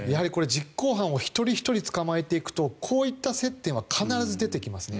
実行犯を一人ひとり捕まえていくとこういった接点は必ず出てきますね。